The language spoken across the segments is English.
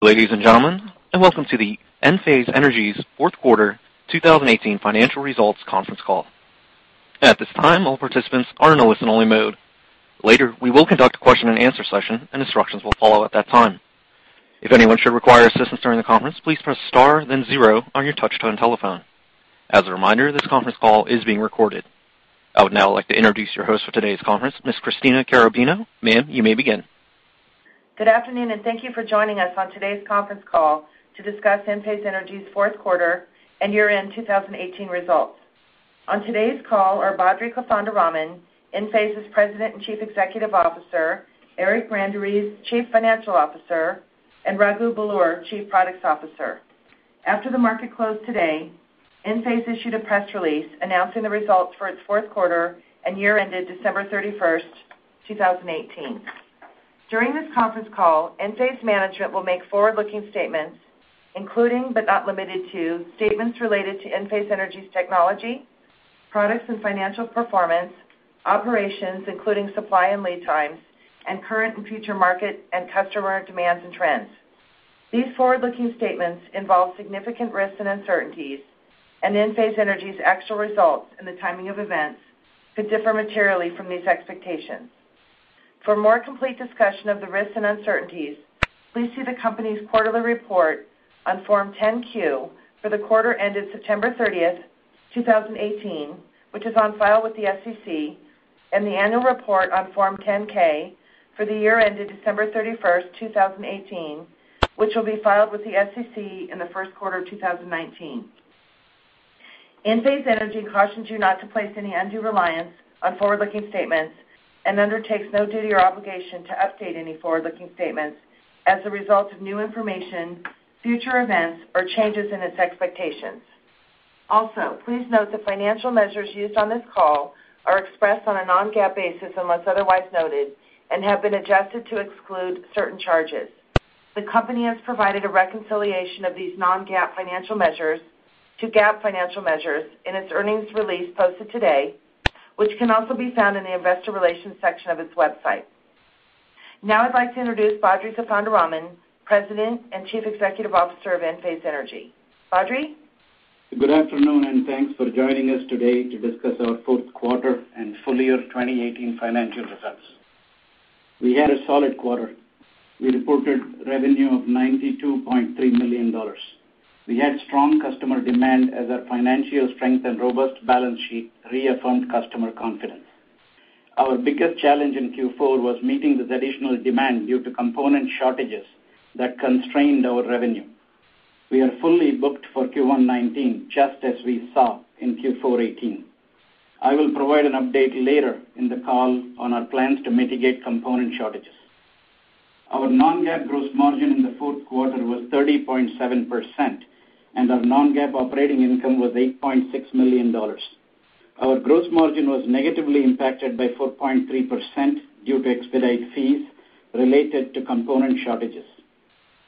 Welcome to the Enphase Energy's fourth quarter 2018 financial results conference call. At this time, all participants are in a listen-only mode. Later, we will conduct a question and answer session, and instructions will follow at that time. If anyone should require assistance during the conference, please press star then zero on your touch-tone telephone. As a reminder, this conference call is being recorded. I would now like to introduce your host for today's conference, Ms. Christina Carrabino. Ma'am, you may begin. Good afternoon. Thank you for joining us on today's conference call to discuss Enphase Energy's fourth quarter and year-end 2018 results. On today's call are Badri Kothandaraman, Enphase's President and Chief Executive Officer, Eric Branderiz, Chief Financial Officer, and Raghu Belur, Chief Products Officer. After the market closed today, Enphase issued a press release announcing the results for its fourth quarter and year ended December 31st, 2018. During this conference call, Enphase Management will make forward-looking statements including, but not limited to, statements related to Enphase Energy's technology, products, and financial performance, operations, including supply and lead times, and current and future market and customer demands and trends. Enphase Energy's actual results and the timing of events could differ materially from these expectations. For a more complete discussion of the risks and uncertainties, please see the company's quarterly report on Form 10-Q for the quarter ended September 30th, 2018, which is on file with the SEC. The annual report on Form 10-K for the year ended December 31st, 2018, which will be filed with the SEC in the first quarter of 2019. Enphase Energy cautions you not to place any undue reliance on forward-looking statements and undertakes no duty or obligation to update any forward-looking statements as a result of new information, future events, or changes in its expectations. Please note the financial measures used on this call are expressed on a non-GAAP basis unless otherwise noted and have been adjusted to exclude certain charges. The company has provided a reconciliation of these non-GAAP financial measures to GAAP financial measures in its earnings release posted today, which can also be found in the investor relations section of its website. I'd like to introduce Badri Kothandaraman, President and Chief Executive Officer of Enphase Energy. Badri? Good afternoon. Thanks for joining us today to discuss our fourth quarter and full year 2018 financial results. We had a solid quarter. We reported revenue of $92.3 million. We had strong customer demand as our financial strength and robust balance sheet reaffirmed customer confidence. Our biggest challenge in Q4 was meeting this additional demand due to component shortages that constrained our revenue. We are fully booked for Q1 2019, just as we saw in Q4 2018. I will provide an update later in the call on our plans to mitigate component shortages. Our non-GAAP gross margin in the fourth quarter was 30.7%, and our non-GAAP operating income was $8.6 million. Our gross margin was negatively impacted by 4.3% due to expedite fees related to component shortages.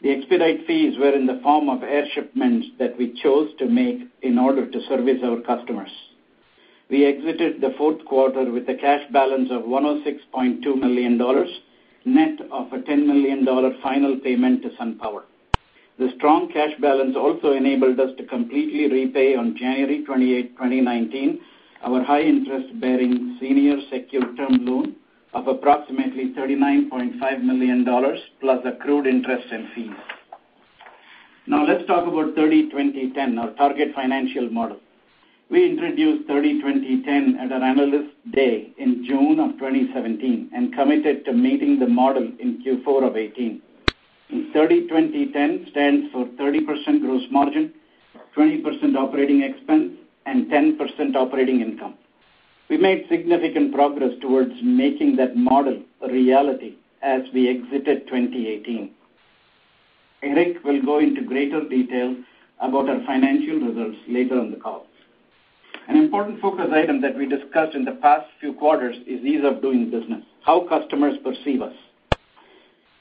The expedite fees were in the form of air shipments that we chose to make in order to service our customers. We exited the fourth quarter with a cash balance of $106.2 million, net of a $10 million final payment to SunPower. The strong cash balance also enabled us to completely repay on January 28, 2019, our high interest-bearing senior secured term loan of approximately $39.5 million, plus accrued interest and fees. Let's talk about 30/20/10, our target financial model. We introduced 30/20/10 at our Analyst Day in June of 2017 and committed to meeting the model in Q4 of 2018. 30/20/10 stands for 30% gross margin, 20% operating expense, and 10% operating income. We made significant progress towards making that model a reality as we exited 2018. Eric will go into greater detail about our financial results later in the call. An important focus item that we discussed in the past few quarters is ease of doing business, how customers perceive us.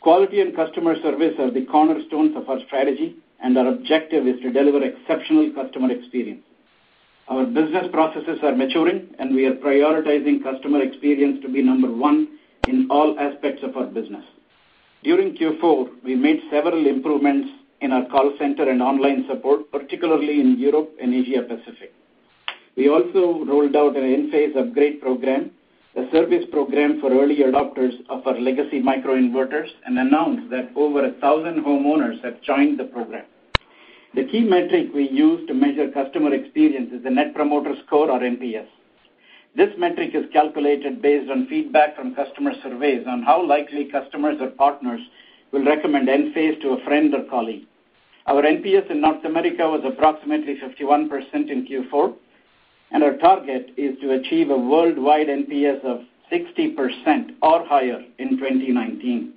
Quality and customer service are the cornerstones of our strategy, and our objective is to deliver exceptional customer experience. Our business processes are maturing, and we are prioritizing customer experience to be number one in all aspects of our business. During Q4, we made several improvements in our call center and online support, particularly in Europe and Asia Pacific. We also rolled out an Enphase Upgrade Program, a service program for early adopters of our legacy microinverters, and announced that over 1,000 homeowners have joined the program. The key metric we use to measure customer experience is the Net Promoter Score, or NPS. This metric is calculated based on feedback from customer surveys on how likely customers or partners will recommend Enphase to a friend or colleague. Our NPS in North America was approximately 51% in Q4. Our target is to achieve a worldwide NPS of 60% or higher in 2019.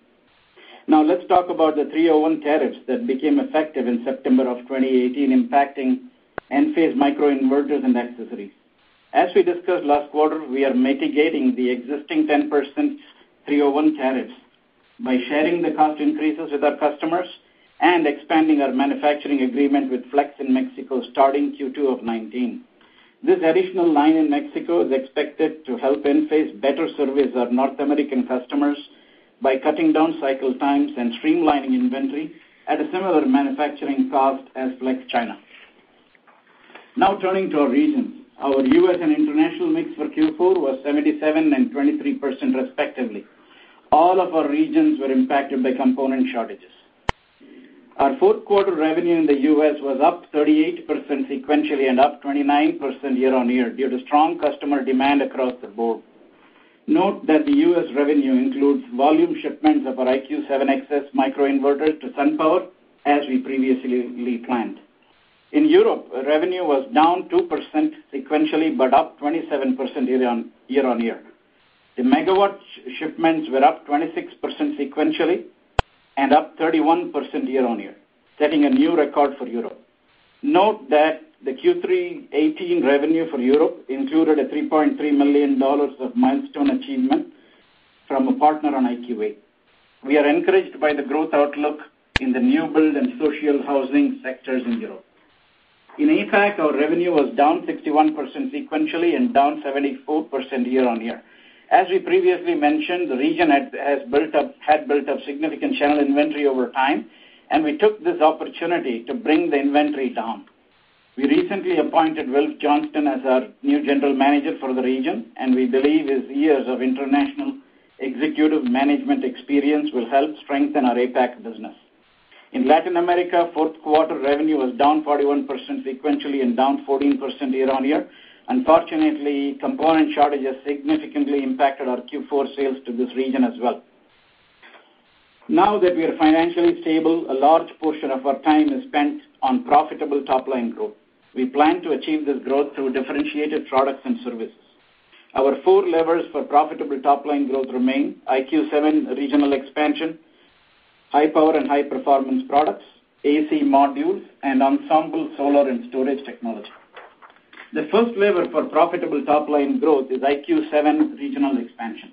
Let's talk about the 301 tariffs that became effective in September of 2018, impacting Enphase microinverters and accessories. As we discussed last quarter, we are mitigating the existing 10% 301 tariffs by sharing the cost increases with our customers and expanding our manufacturing agreement with Flex in Mexico starting Q2 of 2019. This additional line in Mexico is expected to help Enphase better service our North American customers by cutting down cycle times and streamlining inventory at a similar manufacturing cost as China. Turning to our regions. Our U.S. and international mix for Q4 was 77% and 23%, respectively. All of our regions were impacted by component shortages. Our fourth quarter revenue in the U.S. was up 38% sequentially and up 29% year-on-year due to strong customer demand across the board. Note that the U.S. revenue includes volume shipments of our IQ7X microinverters to SunPower, as we previously planned. In Europe, revenue was down 2% sequentially, but up 27% year-on-year. The megawatt shipments were up 26% sequentially and up 31% year-on-year, setting a new record for Europe. Note that the Q3 2018 revenue for Europe included a $3.3 million of milestone achievement from a partner on IQ8. We are encouraged by the growth outlook in the new build and social housing sectors in Europe. In APAC, our revenue was down 61% sequentially and down 74% year-on-year. As we previously mentioned, the region had built up significant channel inventory over time, and we took this opportunity to bring the inventory down. We recently appointed Ralph Johnston as our new general manager for the region, and we believe his years of international executive management experience will help strengthen our APAC business. In Latin America, fourth quarter revenue was down 41% sequentially and down 14% year-on-year. Unfortunately, component shortages significantly impacted our Q4 sales to this region as well. Now that we are financially stable, a large portion of our time is spent on profitable top-line growth. We plan to achieve this growth through differentiated products and services. Our four levers for profitable top-line growth remain IQ7 regional expansion, high power and high performance products, AC Modules, and Ensemble solar and storage technology. The first lever for profitable top-line growth is IQ7 regional expansion.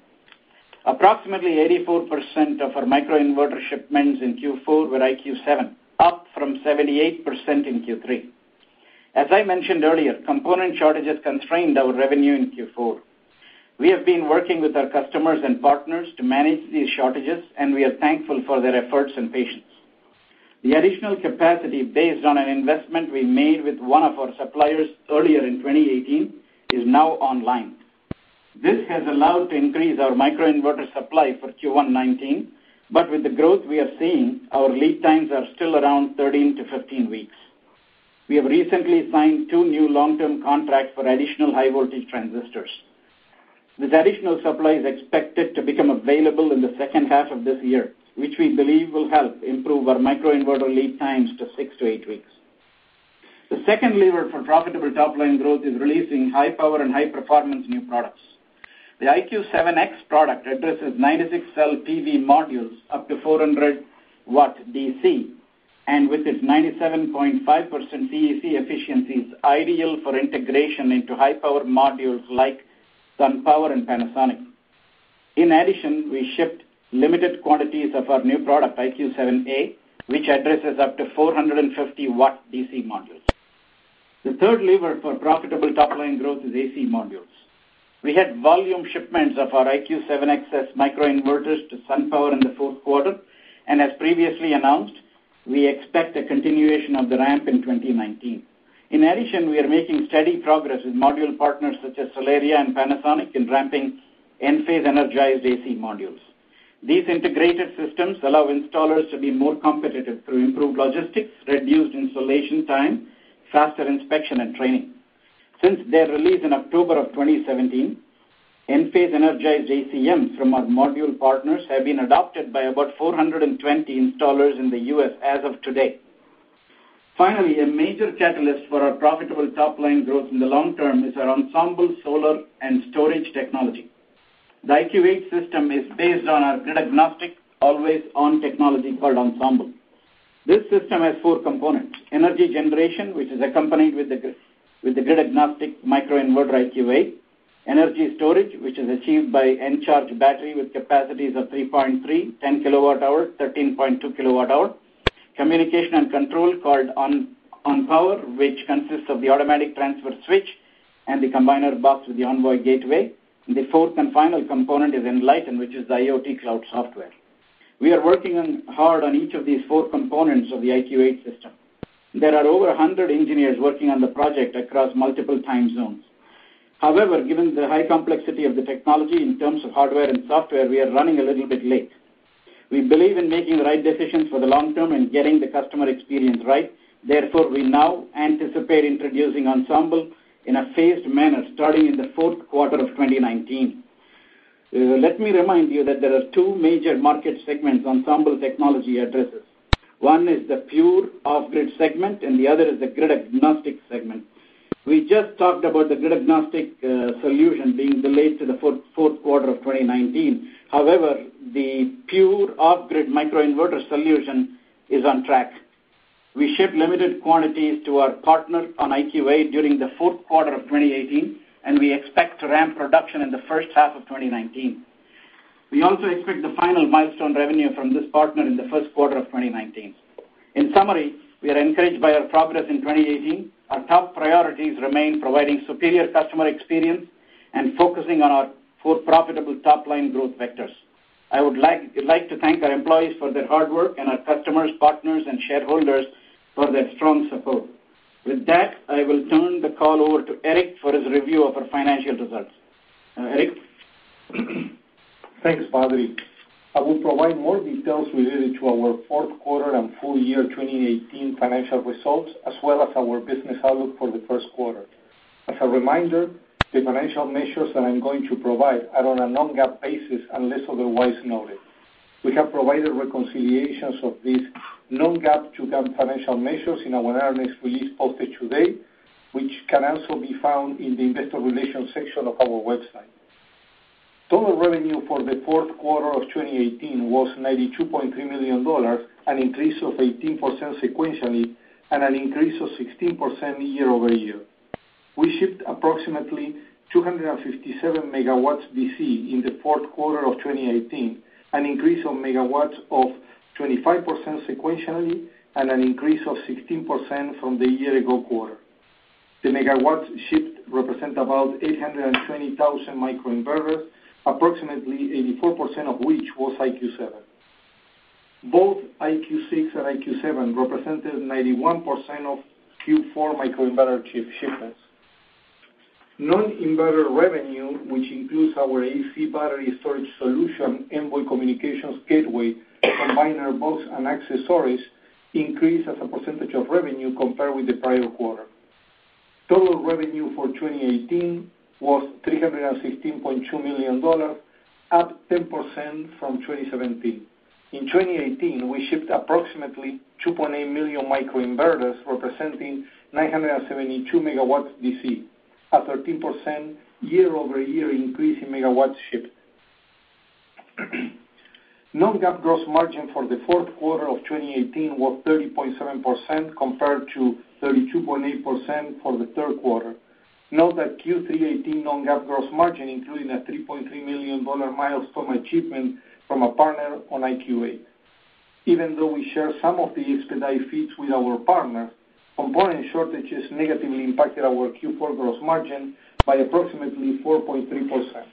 Approximately 84% of our microinverter shipments in Q4 were IQ7, up from 78% in Q3. As I mentioned earlier, component shortages constrained our revenue in Q4. We have been working with our customers and partners to manage these shortages, and we are thankful for their efforts and patience. The additional capacity based on an investment we made with one of our suppliers earlier in 2018 is now online. This has allowed to increase our microinverter supply for Q1 2019, but with the growth we are seeing, our lead times are still around 13 to 15 weeks. We have recently signed two new long-term contracts for additional high voltage transistors. This additional supply is expected to become available in the second half of this year, which we believe will help improve our microinverter lead times to six to eight weeks. The second lever for profitable top-line growth is releasing high power and high performance new products. The IQ7X product addresses 96 cell PV modules up to 400 watt DC, and with its 97.5% CEC efficiency, it's ideal for integration into high power modules like SunPower and Panasonic. In addition, we shipped limited quantities of our new product, IQ7A, which addresses up to 450 watt DC modules. The third lever for profitable top-line growth is AC Modules. We had volume shipments of our IQ7X microinverters to SunPower in the fourth quarter, and as previously announced, we expect a continuation of the ramp in 2019. In addition, we are making steady progress with module partners such as Solaria and Panasonic in ramping Enphase Energized AC Modules. These integrated systems allow installers to be more competitive through improved logistics, reduced installation time, faster inspection, and training. Since their release in October 2017, Enphase Energized ACM from our module partners have been adopted by about 420 installers in the U.S. as of today. Finally, a major catalyst for our profitable top-line growth in the long term is our Ensemble solar and storage technology. The IQ8 system is based on our grid-agnostic, always-on technology called Ensemble. This system has four components, energy generation, which is accompanied with the grid-agnostic microinverter IQ8. Energy storage, which is achieved by Encharge battery with capacities of 3.3, 10 kilowatt-hour, 13.2 kilowatt-hour. Communication and control called Enpower, which consists of the automatic transfer switch and the combiner box with the Envoy gateway. The fourth and final component is Enlighten, which is the IoT cloud software. We are working hard on each of these four components of the IQ8 system. There are over 100 engineers working on the project across multiple time zones. However, given the high complexity of the technology in terms of hardware and software, we are running a little bit late. We believe in making the right decisions for the long term and getting the customer experience right. Therefore, we now anticipate introducing Ensemble in a phased manner starting in the fourth quarter of 2019. Let me remind you that there are two major market segments Ensemble technology addresses. One is the pure off-grid segment, and the other is the grid-agnostic segment. We just talked about the grid-agnostic solution being delayed to the fourth quarter of 2019. However, the pure off-grid microinverter solution is on track. We shipped limited quantities to our partner on IQ8 during the fourth quarter of 2018, and we expect to ramp production in the first half of 2019. We also expect the final milestone revenue from this partner in the first quarter of 2019. In summary, we are encouraged by our progress in 2018. Our top priorities remain providing superior customer experience and focusing on our four profitable top-line growth vectors. I would like to thank our employees for their hard work and our customers, partners, and shareholders for their strong support. With that, I will turn the call over to Eric for his review of our financial results. Eric? Thanks, Badri. I will provide more details related to our fourth quarter and full year 2018 financial results, as well as our business outlook for the first quarter. As a reminder, the financial measures that I'm going to provide are on a non-GAAP basis, unless otherwise noted. We have provided reconciliations of these non-GAAP to GAAP financial measures in our earnings release posted today, which can also be found in the investor relations section of our website. Total revenue for the fourth quarter of 2018 was $92.3 million, an increase of 18% sequentially and an increase of 16% year-over-year. We shipped approximately 257 megawatts DC in the fourth quarter of 2018, an increase of megawatts of 25% sequentially and an increase of 16% from the year-ago quarter. The megawatts shipped represent about 820,000 microinverters, approximately 84% of which was IQ7. Both IQ6 and IQ7 represented 91% of Q4 microinverter shipments. Non-inverter revenue, which includes our AC battery storage solution, Envoy communications gateway, combiner box, and accessories, increased as a percentage of revenue compared with the prior quarter. Total revenue for 2018 was $316.2 million, up 10% from 2017. In 2018, we shipped approximately 2.8 million microinverters, representing 972 megawatts DC, a 13% year-over-year increase in megawatts shipped. Non-GAAP gross margin for the fourth quarter of 2018 was 30.7%, compared to 32.8% for the third quarter. Note that Q3 '18 non-GAAP gross margin, including a $3.3 million milestone achievement from a partner on IQ8. Even though we share some of the expedite fees with our partner, component shortages negatively impacted our Q4 gross margin by approximately 4.3%.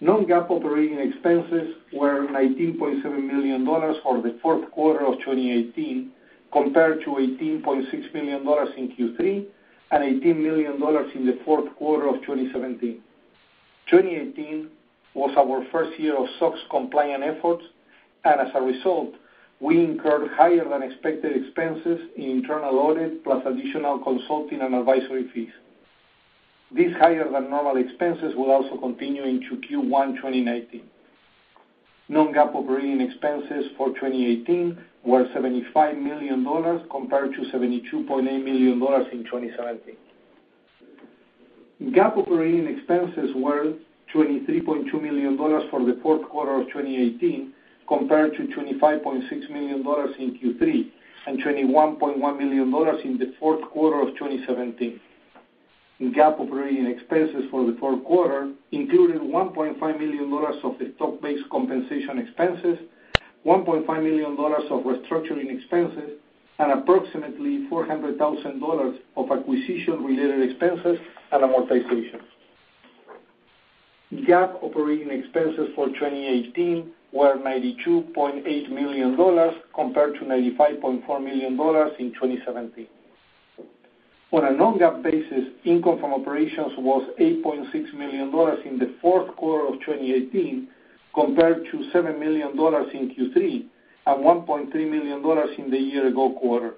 Non-GAAP operating expenses were $19.7 million for the fourth quarter of 2018, compared to $18.6 million in Q3 and $18 million in the fourth quarter of 2017. 2018 was our first year of SOX-compliant efforts, as a result, we incurred higher-than-expected expenses in internal audit, plus additional consulting and advisory fees. These higher-than-normal expenses will also continue into Q1 2019. Non-GAAP operating expenses for 2018 were $75 million, compared to $72.8 million in 2017. GAAP operating expenses were $23.2 million for the fourth quarter of 2018, compared to $25.6 million in Q3 and $21.1 million in the fourth quarter of 2017. GAAP operating expenses for the fourth quarter included $1.5 million of stock-based compensation expenses, $1.5 million of restructuring expenses, and approximately $400,000 of acquisition-related expenses and amortization. GAAP operating expenses for 2018 were $92.8 million, compared to $95.4 million in 2017. On a non-GAAP basis, income from operations was $8.6 million in the fourth quarter of 2018, compared to $7 million in Q3 and $1.3 million in the year-ago quarter.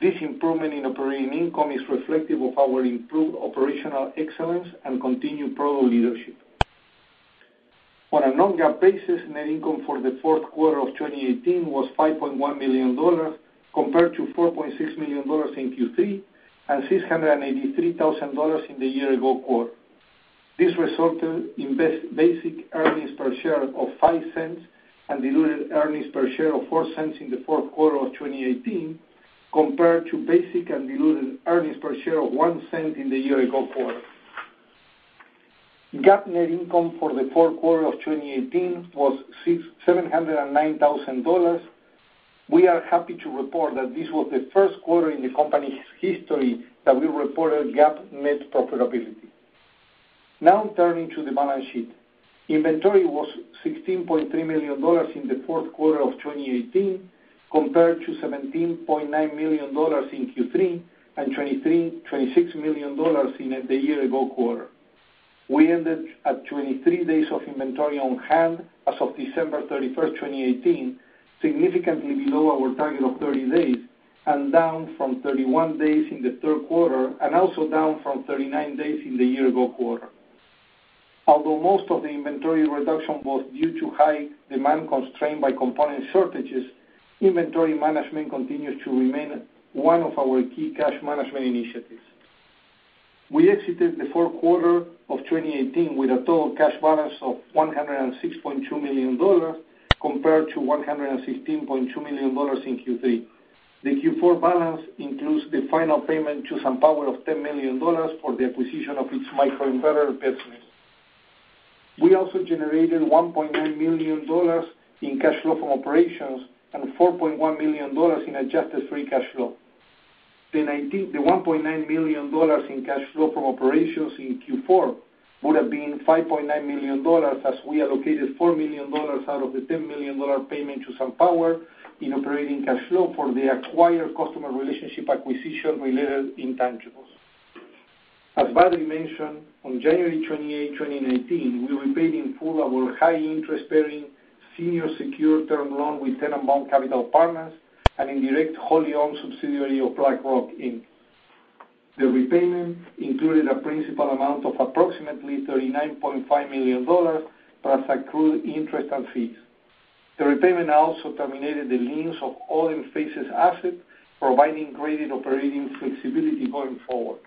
This improvement in operating income is reflective of our improved operational excellence and continued product leadership. On a non-GAAP basis, net income for the fourth quarter of 2018 was $5.1 million, compared to $4.6 million in Q3 and $683,000 in the year-ago quarter. This resulted in basic earnings per share of $0.05 and diluted earnings per share of $0.04 in the fourth quarter of 2018, compared to basic and diluted earnings per share of $0.01 in the year-ago quarter. GAAP net income for the fourth quarter of 2018 was $709,000. We are happy to report that this was the first quarter in the company's history that we reported GAAP net profitability. Now, turning to the balance sheet. Inventory was $16.3 million in the fourth quarter of 2018, compared to $17.9 million in Q3 and $26 million in the year-ago quarter. We ended at 23 days of inventory on hand as of December 31st, 2018, significantly below our target of 30 days and down from 31 days in the third quarter, and also down from 39 days in the year-ago quarter. Although most of the inventory reduction was due to high demand constrained by component shortages, inventory management continues to remain one of our key cash management initiatives. We exited the fourth quarter of 2018 with a total cash balance of $106.2 million, compared to $116.2 million in Q3. The Q4 balance includes the final payment to SunPower of $10 million for the acquisition of its microinverter business. We also generated $1.9 million in cash flow from operations and $4.1 million in adjusted free cash flow. The $1.9 million in cash flow from operations in Q4 would have been $5.9 million as we allocated $4 million out of the $10 million payment to SunPower in operating cash flow for the acquired customer relationship acquisition-related intangibles. As Badri mentioned, on January 28, 2019, we repaid in full our high-interest bearing senior secured term loan with Tennenbaum Capital Partners, an indirect wholly-owned subsidiary of BlackRock, Inc. The repayment included a principal amount of approximately $39.5 million, plus accrued interest and fees. The repayment also terminated the liens of all Enphase's assets, providing graded operating flexibility going forward.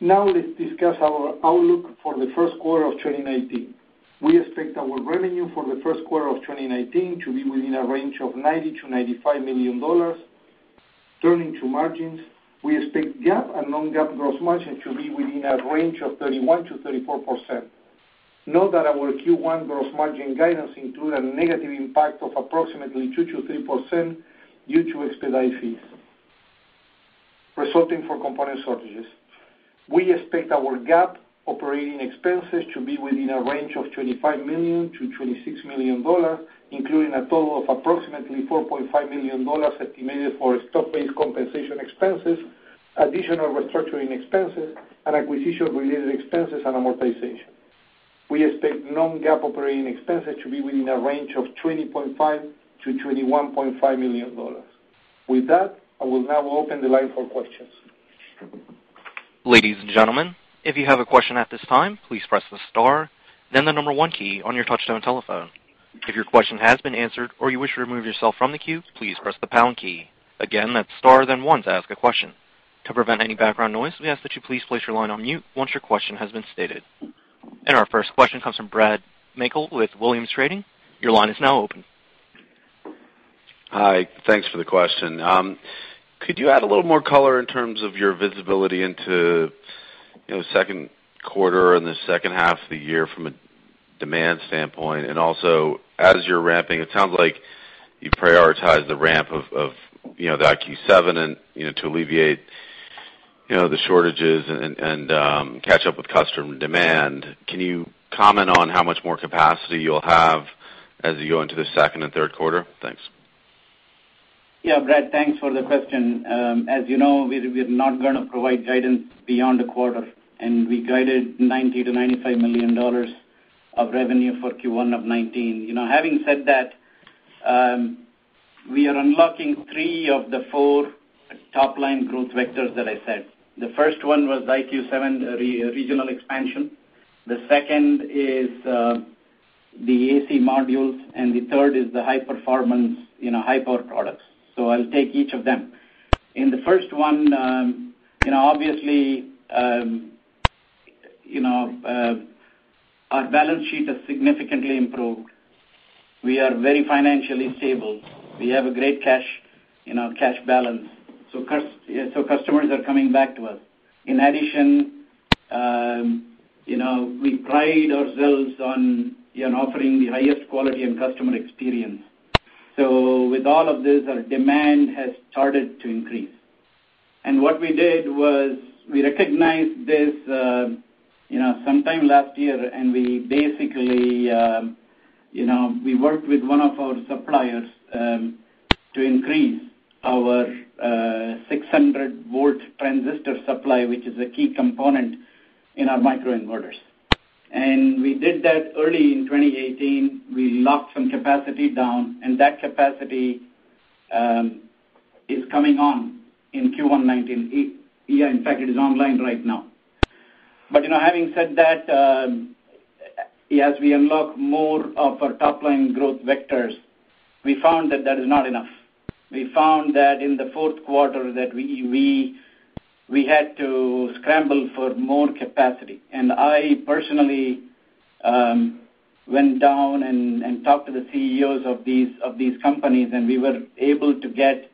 Let's discuss our outlook for the first quarter of 2019. We expect our revenue for the first quarter of 2019 to be within a range of $90 million-$95 million. Turning to margins, we expect GAAP and non-GAAP gross margin to be within a range of 31%-34%. Note that our Q1 gross margin guidance includes a negative impact of approximately 2%-3% due to expedite fees resulting from component shortages. We expect our GAAP operating expenses to be within a range of $25 million-$26 million, including a total of approximately $4.5 million estimated for stock-based compensation expenses, additional restructuring expenses, and acquisition-related expenses and amortization. We expect non-GAAP operating expenses to be within a range of $20.5 million-$21.5 million. I will now open the line for questions. Ladies and gentlemen, if you have a question at this time, please press the star, then the 1 key on your touchtone telephone. If your question has been answered or you wish to remove yourself from the queue, please press the pound key. Again, that's star then 1 to ask a question. To prevent any background noise, we ask that you please place your line on mute once your question has been stated. Our first question comes from Brad Meikle with Williams Trading. Your line is now open. Hi. Thanks for the question. Could you add a little more color in terms of your visibility into second quarter and the second half of the year from a demand standpoint? Also, as you're ramping, it sounds like you prioritize the ramp of the IQ7 and to alleviate the shortages and catch up with customer demand. Can you comment on how much more capacity you'll have as you go into the second and third quarter? Thanks. Brad, thanks for the question. As you know, we're not going to provide guidance beyond the quarter, and we guided $90 million to $95 million of revenue for Q1 of 2019. Having said that, we are unlocking three of the four top-line growth vectors that I said. The first one was IQ7 regional expansion, the second is the AC Modules, and the third is the high-performance, high power products. I'll take each of them. In the first one, obviously, our balance sheet has significantly improved. We are very financially stable. We have a great cash balance. Customers are coming back to us. In addition, we pride ourselves on offering the highest quality and customer experience. With all of this, our demand has started to increase. What we did was, we recognized this sometime last year, and we worked with one of our suppliers to increase our 600-volt transistor supply, which is a key component in our microinverters. We did that early in 2018. We locked some capacity down, and that capacity is coming on in Q1 2019. In fact, it is online right now. Having said that, as we unlock more of our top-line growth vectors, we found that that is not enough. We found that in the fourth quarter that we had to scramble for more capacity. I personally went down and talked to the CEOs of these companies, and we were able to get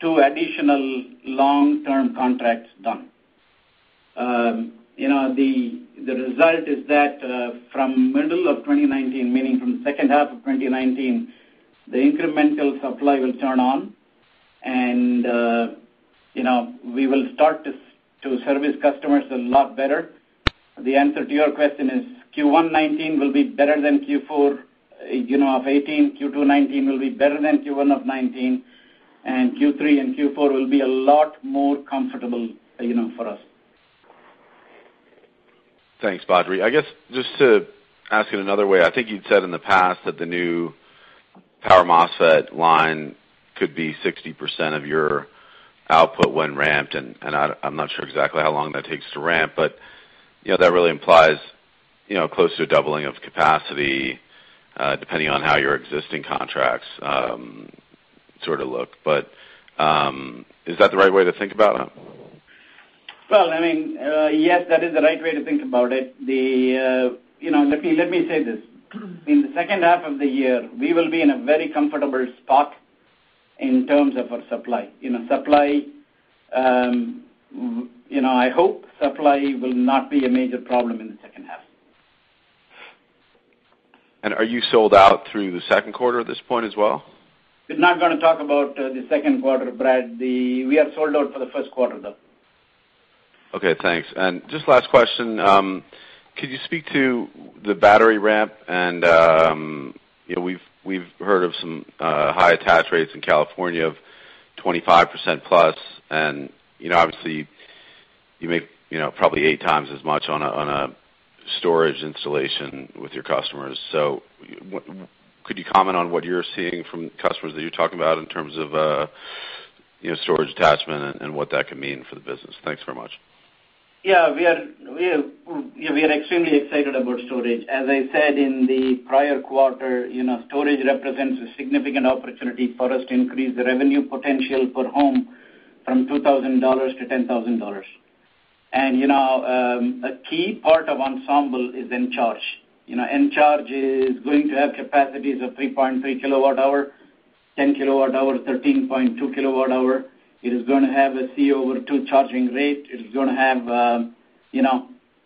two additional long-term contracts done. The result is that from middle of 2019, meaning from second half of 2019, the incremental supply will turn on and we will start to service customers a lot better. The answer to your question is Q1 2019 will be better than Q4 of 2018. Q2 2019 will be better than Q1 of 2019, and Q3 and Q4 will be a lot more comfortable for us. Thanks, Badri. I guess, just to ask it another way, I think you'd said in the past that the new Power MOSFET line could be 60% of your output when ramped, and I'm not sure exactly how long that takes to ramp, but that really implies close to a doubling of capacity, depending on how your existing contracts sort of look. Is that the right way to think about it? Well, yes, that is the right way to think about it. Let me say this. In the second half of the year, we will be in a very comfortable spot in terms of our supply. I hope supply will not be a major problem in the second half. Are you sold out through the second quarter at this point as well? We're not going to talk about the second quarter, Brad. We are sold out for the first quarter, though. Okay, thanks. Just last question. Could you speak to the battery ramp? We've heard of some high attach rates in California of 25%+, and obviously you make probably 8 times as much on a storage installation with your customers. Could you comment on what you're seeing from customers that you're talking about in terms of storage attachment and what that could mean for the business? Thanks very much. Yeah. We are extremely excited about storage. As I said in the prior quarter, storage represents a significant opportunity for us to increase the revenue potential per home from $2,000 to $10,000. A key part of Ensemble is Encharge. Encharge is going to have capacities of 3.3 kWh, 10 kWh, 13.2 kWh. It is going to have a C over two charging rate. It is going to have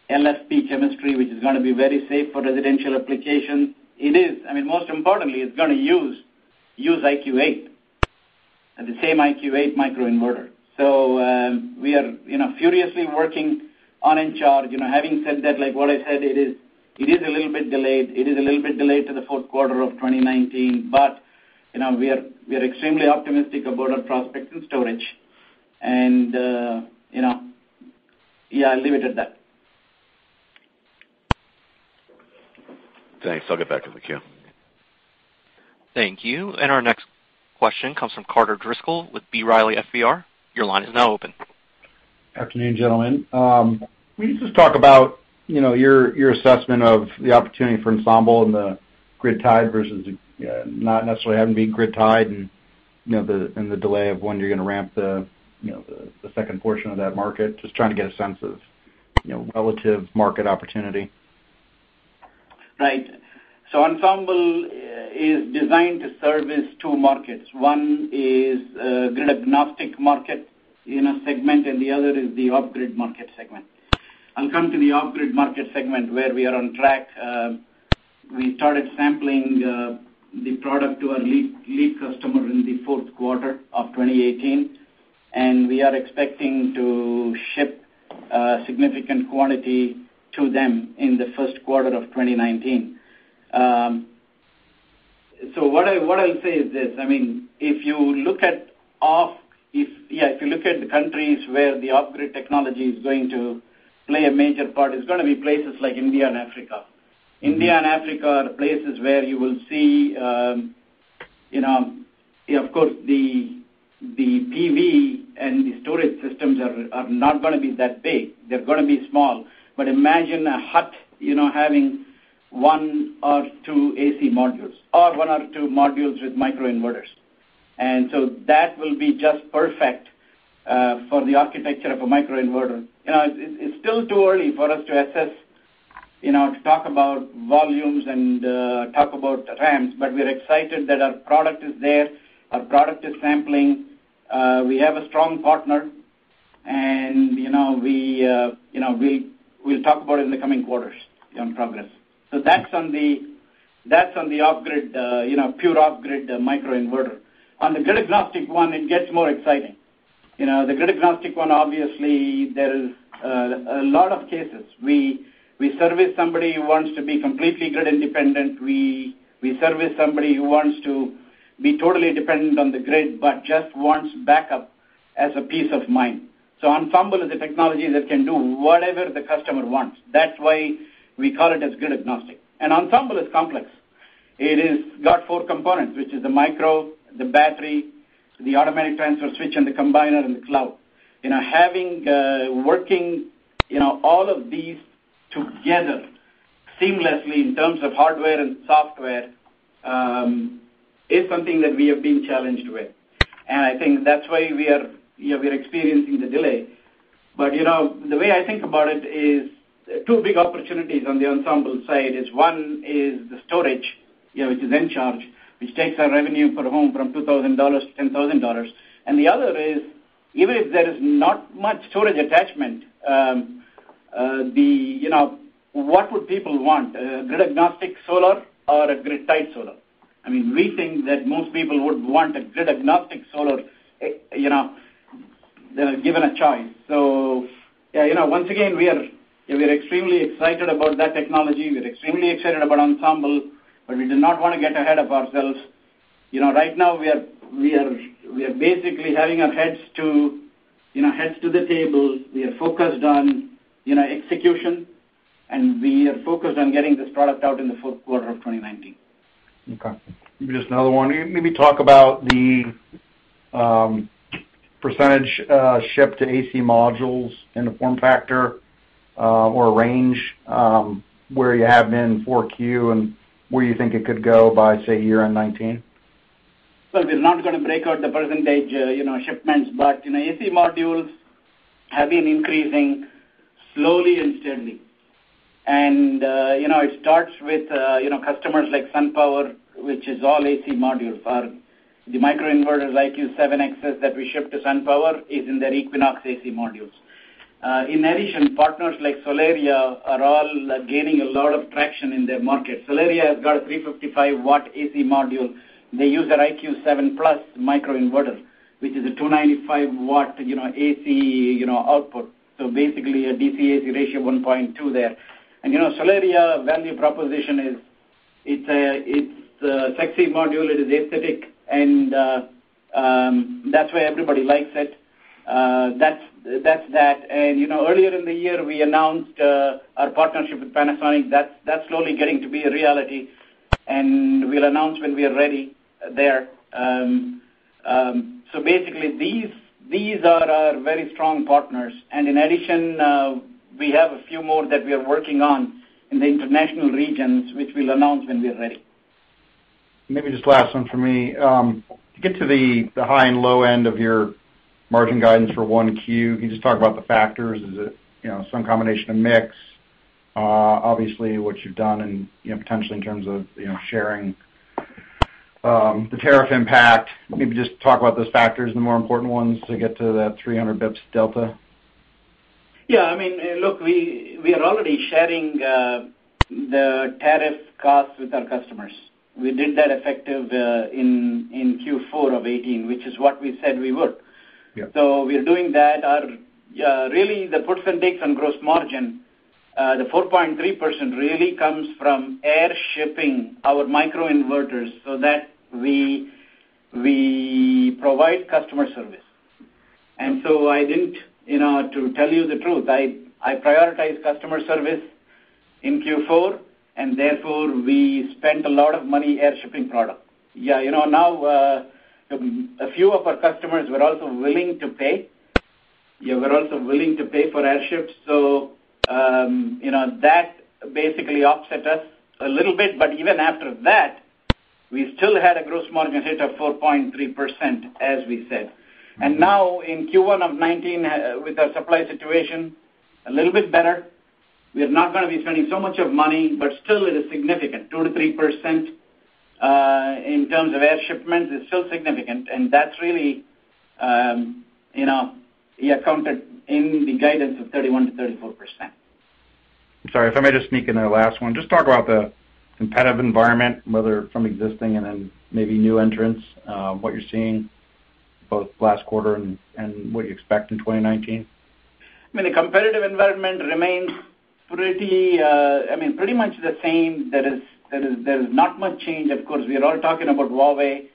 LFP chemistry, which is going to be very safe for residential application. Most importantly, it's going to use IQ8, the same IQ8 microinverter. We are furiously working on Encharge. Having said that, like what I said, it is a little bit delayed to the fourth quarter of 2019. We are extremely optimistic about our prospects in storage. Yeah, I'll leave it at that. Thanks. I'll get back in the queue. Thank you. Our next question comes from Carter Driscoll with B. Riley FBR. Your line is now open. Afternoon, gentlemen. Can you just talk about your assessment of the opportunity for Ensemble and the grid-tied versus not necessarily having to be grid-tied and, the delay of when you're going to ramp the second portion of that market? Just trying to get a sense of relative market opportunity. Right. Ensemble is designed to service two markets. One is grid-agnostic market segment. The other is the off-grid market segment. I'll come to the off-grid market segment where we are on track. We started sampling the product to our lead customer in the fourth quarter of 2018. We are expecting to ship a significant quantity to them in the first quarter of 2019. What I'll say is this, if you look at the countries where the off-grid technology is going to play a major part, it's going to be places like India and Africa. India and Africa are the places where you will see, of course the PV and the storage systems are not going to be that big. They're going to be small. Imagine a hut, having one or two AC Modules, or one or two modules with microinverters. That will be just perfect for the architecture of a microinverter. It's still too early for us to assess, to talk about volumes and talk about ramps. We're excited that our product is there, our product is sampling. We have a strong partner. We'll talk about it in the coming quarters on progress. That's on the pure off-grid microinverter. On the grid-agnostic one, it gets more exciting. The grid-agnostic one, obviously, there is a lot of cases. We service somebody who wants to be completely grid independent. We service somebody who wants to be totally dependent on the grid, just wants backup as a peace of mind. Ensemble is a technology that can do whatever the customer wants. That's why we call it as grid-agnostic. Ensemble is complex. It has got four components, which is the micro, the battery, the automatic transfer switch, the combiner, and the cloud. Having working all of these together seamlessly in terms of hardware and software, is something that we have been challenged with. I think that's why we are experiencing the delay. The way I think about it is two big opportunities on the Ensemble side is, one is the storage, which is Encharge, which takes our revenue per home from $2,000 to $10,000. The other is, even if there is not much storage attachment, what would people want? A grid-agnostic solar or a grid-tied solar? We think that most people would want a grid-agnostic solar, given a choice. Once again, we are extremely excited about that technology. We're extremely excited about Ensemble. We do not want to get ahead of ourselves. Right now we are basically having our heads to the table. We are focused on execution. We are focused on getting this product out in the fourth quarter of 2019. Okay. Maybe just another one. Can you maybe talk about the percentage shipped to AC modules in the form factor, or range, where you have been in four Q and where you think it could go by, say, year-end 2019? We're not going to break out the percentage shipments, but AC modules have been increasing slowly and steadily. It starts with customers like SunPower, which is all AC modules. The microinverters IQ7X that we ship to SunPower is in their Equinox AC modules. In addition, partners like Solaria are all gaining a lot of traction in their market. Solaria has got a 355-watt AC module. They use our IQ7+ microinverter, which is a 295-watt AC output. Basically, a DC AC ratio of 1.2 there. Solaria value proposition is, it's a sexy module. It is aesthetic, and that's why everybody likes it. That's that. Earlier in the year, we announced our partnership with Panasonic. That's slowly getting to be a reality, and we'll announce when we are ready there. Basically, these are our very strong partners. In addition, we have a few more that we are working on in the international regions, which we'll announce when we are ready. Maybe just last one from me. To get to the high and low end of your margin guidance for 1Q, can you just talk about the factors? Is it some combination of mix? Obviously, what you've done and potentially in terms of sharing the tariff impact. Maybe just talk about those factors, the more important ones to get to that 300 basis points delta. Yeah. Look, we are already sharing the tariff costs with our customers. We did that effective in Q4 of 2018, which is what we said we would. Yeah. We're doing that. Really, the percentage on gross margin, the 4.3% really comes from air shipping our microinverters so that we provide customer service. To tell you the truth, I prioritized customer service in Q4, and therefore, we spent a lot of money air shipping product. Now, a few of our customers were also willing to pay for air ships. That basically offset us a little bit, but even after that, we still had a gross margin hit of 4.3%, as we said. Now, in Q1 of 2019, with our supply situation a little bit better, we're not going to be spending so much of money, but still it is significant. 2%-3% in terms of air shipments is still significant, and that's really accounted in the guidance of 31%-34%. I'm sorry. If I may just sneak in a last one. Just talk about the competitive environment, whether from existing and then maybe new entrants. What you're seeing both last quarter and what you expect in 2019. The competitive environment remains pretty much the same. There is not much change. Of course, we are all talking about Huawei.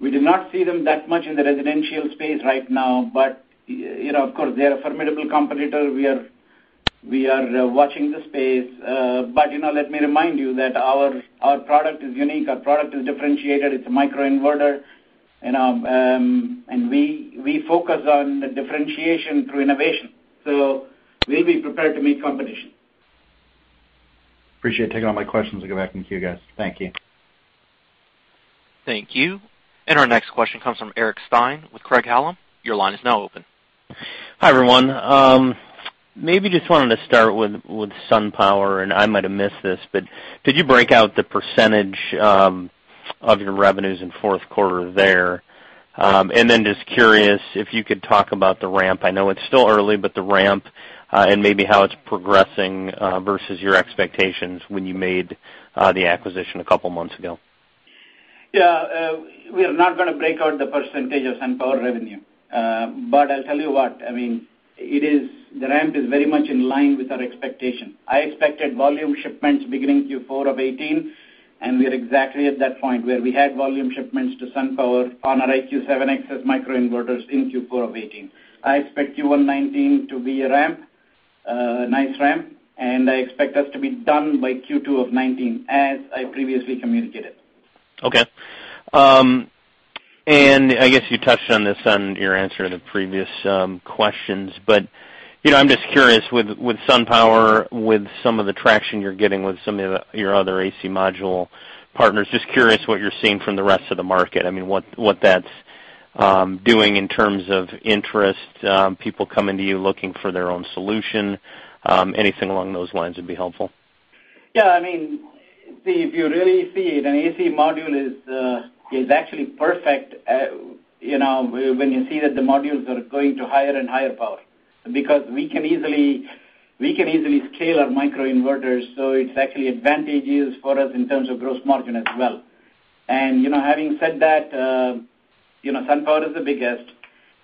We do not see them that much in the residential space right now, but of course, they're a formidable competitor. We are watching the space. Let me remind you that our product is unique. Our product is differentiated. It's a microinverter. We focus on differentiation through innovation, so we'll be prepared to meet competition. Appreciate you taking all my questions. I'll give it back in queue, guys. Thank you. Thank you. Our next question comes from Eric Stine with Craig-Hallum. Your line is now open. Hi, everyone. Maybe just wanted to start with SunPower, and I might've missed this, but did you break out the percentage of your revenues in fourth quarter there? Just curious if you could talk about the ramp. I know it's still early, but the ramp, and maybe how it's progressing versus your expectations when you made the acquisition a couple of months ago. Yeah. We are not going to break out the percentage of SunPower revenue. I'll tell you what. The ramp is very much in line with our expectation. I expected volume shipments beginning Q4 2018, and we are exactly at that point where we had volume shipments to SunPower on our IQ7X microinverters in Q4 2018. I expect Q1 2019 to be a ramp, a nice ramp, and I expect us to be done by Q2 2019, as I previously communicated. I guess you touched on this on your answer to the previous questions, but I'm just curious with SunPower, with some of the traction you're getting with some of your other AC module partners, just curious what you're seeing from the rest of the market. What that's doing in terms of interest, people coming to you looking for their own solution. Anything along those lines would be helpful. Yeah. If you really see it, an AC module is actually perfect when you see that the modules are going to higher and higher power. We can easily scale our microinverters, so it's actually advantageous for us in terms of gross margin as well. Having said that, SunPower is the biggest,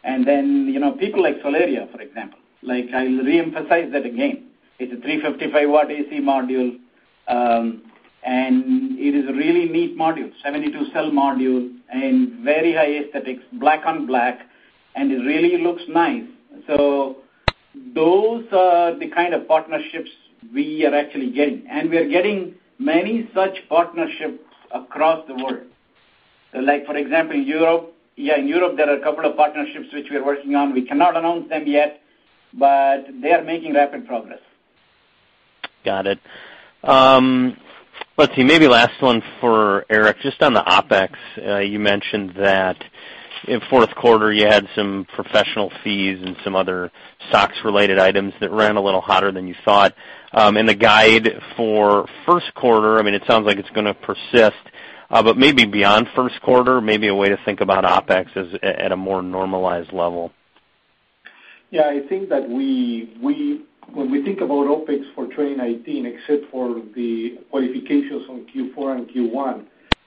and then people like Solaria, for example. I'll reemphasize that again. It's a 355-watt AC module, and it is a really neat module, 72-cell module, and very high aesthetics, black on black, and it really looks nice. Those are the kind of partnerships we are actually getting. We are getting many such partnerships across the world. Like for example, in Europe, there are a couple of partnerships which we are working on. We cannot announce them yet, but they are making rapid progress. Got it. Let's see. Maybe last one for Eric, just on the OpEx. You mentioned that in fourth quarter you had some professional fees and some other stocks related items that ran a little hotter than you thought. In the guide for first quarter, it sounds like it's going to persist. Maybe beyond first quarter, maybe a way to think about OpEx at a more normalized level. Yeah, I think that when we think about OpEx for 2019, except for the qualifications on Q4 and Q1,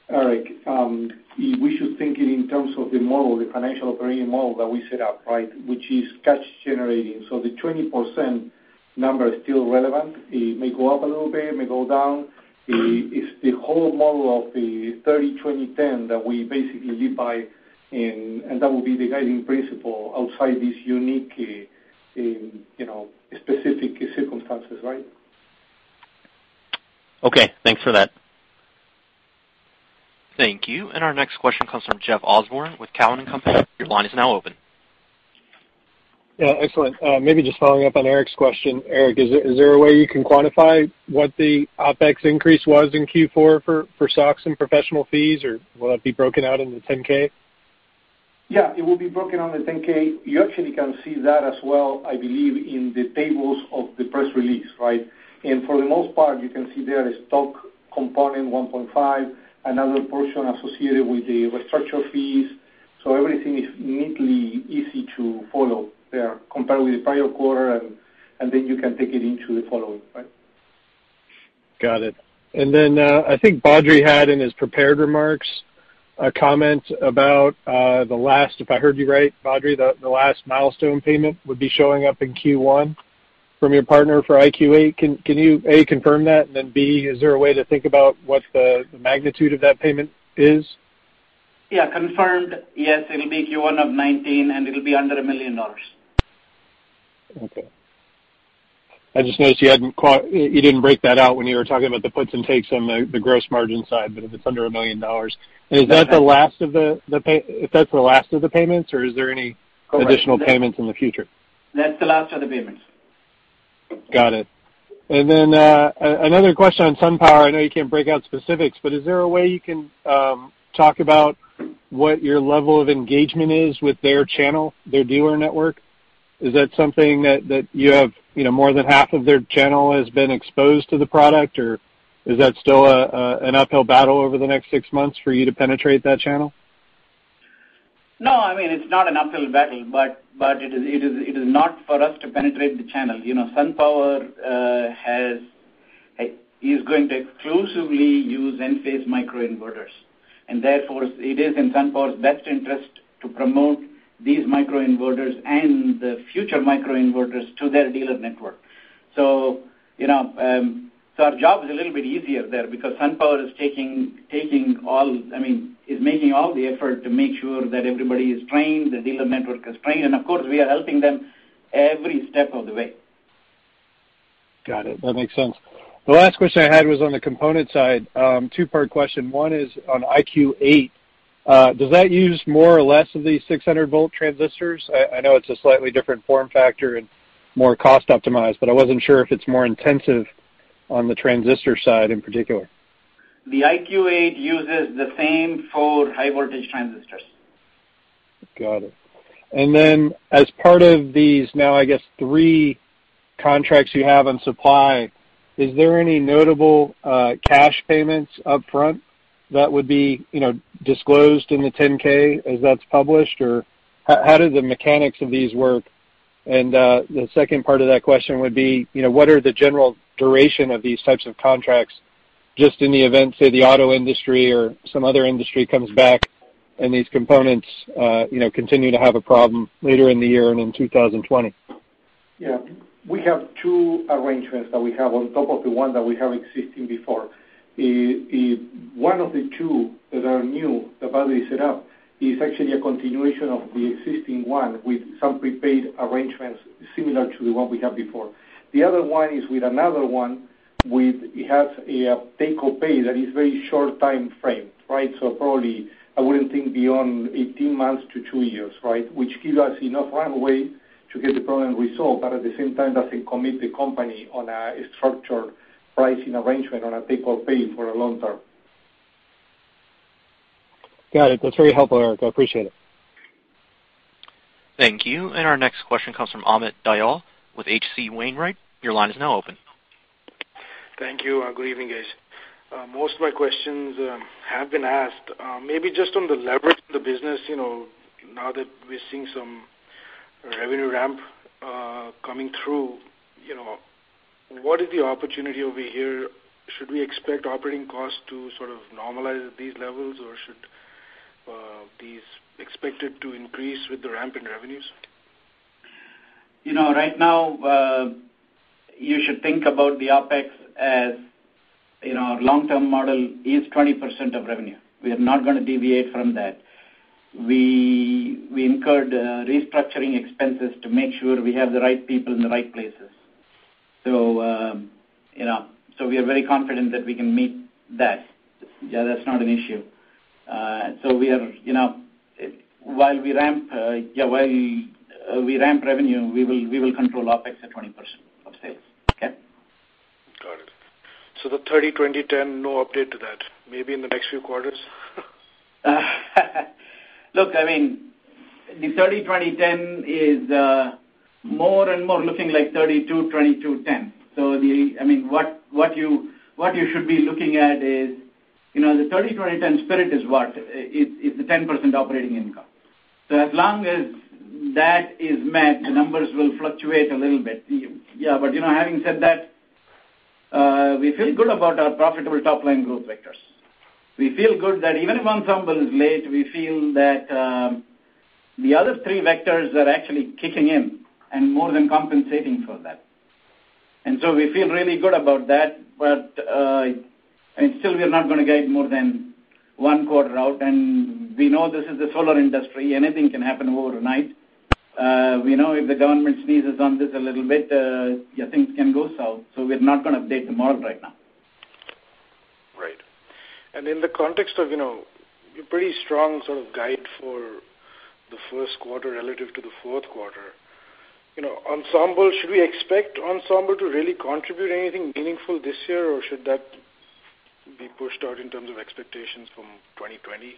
Eric, we should think it in terms of the model, the financial operating model that we set up, right, which is cash generating. The 20% number is still relevant. It may go up a little bit, it may go down. It's the whole model of the 30/20/10 that we basically live by, and that will be the guiding principle outside these unique, specific circumstances, right? Okay. Thanks for that. Thank you. Our next question comes from Jeff Osborne with Cowen and Company. Your line is now open. Yeah. Excellent. Maybe just following up on Eric's question. Eric, is there a way you can quantify what the OpEx increase was in Q4 for stocks and professional fees, or will that be broken out in the 10-K? Yeah, it will be broken on the 10-K. You actually can see that as well, I believe, in the tables of the press release, right? For the most part, you can see there is stock component $1.5, another portion associated with the restructure fees. Everything is neatly easy to follow there compared with the prior quarter, and then you can take it into the following. Got it. Then, I think Badri had in his prepared remarks a comment about the last, if I heard you right, Badri, the last milestone payment would be showing up in Q1 from your partner for IQ8. Can you, A, confirm that, and then, B, is there a way to think about what the magnitude of that payment is? Yeah, confirmed. Yes, it'll be Q1 of 2019, and it'll be under $1 million. Okay. I just noticed you didn't break that out when you were talking about the puts and takes on the gross margin side, but if it's under $1 million. Is that the last of the payments, or is there any additional. Correct payments in the future? That's the last of the payments. Got it. Another question on SunPower. I know you can't break out specifics, but is there a way you can talk about what your level of engagement is with their channel, their dealer network? Is that something that you have more than half of their channel has been exposed to the product, or is that still an uphill battle over the next 6 months for you to penetrate that channel? No, it's not an uphill battle, but it is not for us to penetrate the channel. SunPower is going to exclusively use Enphase microinverters, and therefore it is in SunPower's best interest to promote these microinverters and the future microinverters to their dealer network. Our job is a little bit easier there because SunPower is making all the effort to make sure that everybody is trained, the dealer network is trained, and of course, we are helping them every step of the way. Got it. That makes sense. The last question I had was on the component side. Two-part question. One is on IQ8. Does that use more or less of the 600-volt transistors? I know it's a slightly different form factor and more cost optimized, but I wasn't sure if it's more intensive on the transistor side in particular. The IQ8 uses the same four high voltage transistors. Got it. Then as part of these now, I guess, three contracts you have on supply, is there any notable cash payments upfront that would be disclosed in the 10-K as that's published, or how do the mechanics of these work? The second part of that question would be, what are the general duration of these types of contracts, just in the event, say, the auto industry or some other industry comes back and these components continue to have a problem later in the year and in 2020? Yeah. We have two arrangements that we have on top of the one that we have existing before. One of the two that are new, that Badri set up, is actually a continuation of the existing one with some prepaid arrangements similar to the one we had before. The other one is with another one, it has a take-or-pay that is very short time frame. Probably I wouldn't think beyond 18 months to two years. This gives us enough runway to get the problem resolved, but at the same time, doesn't commit the company on a structured pricing arrangement on a take or pay for a long term. Got it. That's very helpful, Eric. I appreciate it. Thank you. Our next question comes from Amit Dayal with H.C. Wainwright. Your line is now open. Thank you. Good evening, guys. Most of my questions have been asked. Maybe just on the leverage of the business, now that we're seeing some revenue ramp coming through, what is the opportunity over here? Should we expect operating costs to sort of normalize at these levels, or should these expected to increase with the ramp in revenues? Right now, you should think about the OpEx as our long-term model is 20% of revenue. We are not going to deviate from that. We incurred restructuring expenses to make sure we have the right people in the right places. We are very confident that we can meet that. That's not an issue. While we ramp revenue, we will control OpEx at 20% of sales. Okay? Got it. The 30/20/10, no update to that? Maybe in the next few quarters? Look, the 30/20/10 is more and more looking like 32/22/10. What you should be looking at is, the 30/20/10 spirit is what? It's the 10% operating income. As long as that is met, the numbers will fluctuate a little bit. Having said that, we feel good about our profitable top-line growth vectors. We feel good that even if Ensemble is late, we feel that the other three vectors are actually kicking in and more than compensating for that. We feel really good about that. Still, we are not going to guide more than one quarter out. We know this is the solar industry. Anything can happen overnight. We know if the government sneezes on this a little bit, things can go south. We're not going to update the model right now. Right. In the context of your pretty strong sort of guide for the first quarter relative to the fourth quarter, should we expect Ensemble to really contribute anything meaningful this year? Or should that be pushed out in terms of expectations from 2020?